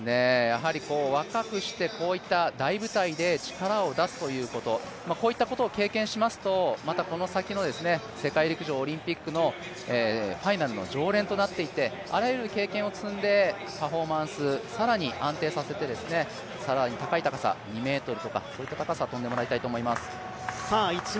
若くして、大舞台で力を出すということこういったことを経験しますと、この先の世界陸上、オリンピックのファイナルの常連となっていってあらゆる経験を積んでパフォーマンス、更に安定させて更に高い高さ、２ｍとかそういう高さを跳んでもらいたいと思います。